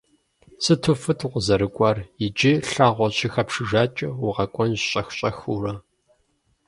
Сыту фӏыт укъызэрыкӏуар. Иджы лъагъуэ щыхэпшыжакӏэ, укъэкӏуэнщ щӏэх-щӏэхыурэ.